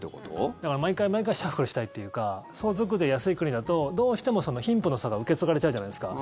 だから毎回毎回シャッフルしたいというか相続税安い国だとどうしても貧富の差が受け継がれちゃうじゃないですか。